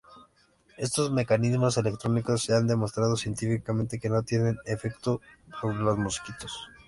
Estos mecanismos electrónicos se ha demostrado científicamente que no tienen efecto sobre los mosquitos.